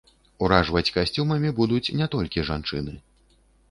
Уражваць касцюмамі будуць не толькі жанчыны.